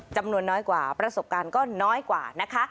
จำนวนน้อยกว่าประสบการณ์ก็น้อยกว่านะคะ